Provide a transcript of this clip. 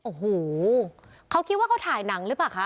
โอ้โหเขาคิดว่าเขาถ่ายหนังหรือเปล่าคะ